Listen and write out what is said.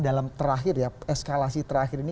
dalam terakhir ya eskalasi terakhir ini